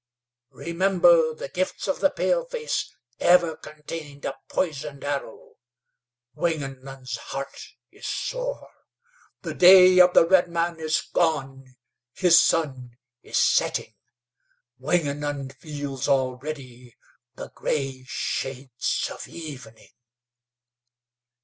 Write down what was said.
Remember, the gifts of the paleface ever contained a poisoned arrow. Wingenund's heart is sore. The day of the redman is gone. His sun is setting. Wingenund feels already the gray shades of evening."